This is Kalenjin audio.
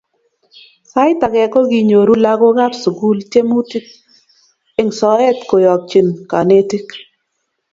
Sait ake kokinyoru lakok ab sukul tiemutik eng soet kuyakchin kanetik